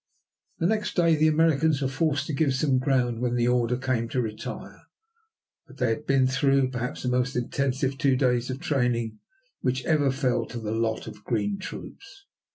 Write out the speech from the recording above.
The next day the Americans were forced to give some ground when the order came to retire, but they had been through, perhaps, the most intensive two days of training which ever fell to the lot of green troops.